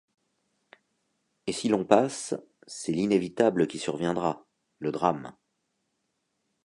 Et si l’on passe, c’est l’inévitable qui surviendra: le drame.